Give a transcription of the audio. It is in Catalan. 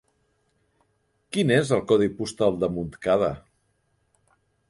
Quin és el codi postal de Montcada?